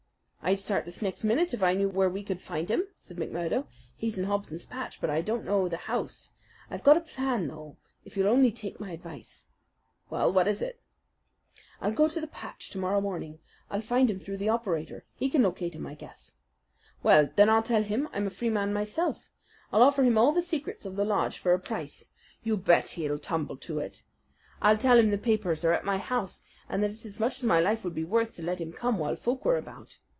"I'd start this next minute if I knew where we could find him," said McMurdo. "He's in Hobson's Patch; but I don't know the house. I've got a plan, though, if you'll only take my advice." "Well, what is it?" "I'll go to the Patch to morrow morning. I'll find him through the operator. He can locate him, I guess. Well, then I'll tell him that I'm a Freeman myself. I'll offer him all the secrets of the lodge for a price. You bet he'll tumble to it. I'll tell him the papers are at my house, and that it's as much as my life would be worth to let him come while folk were about.